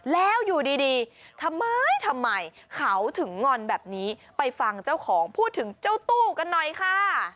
แล้วอยู่ดีทำไมทำไมเขาถึงงอนแบบนี้ไปฟังเจ้าของพูดถึงเจ้าตู้กันหน่อยค่ะ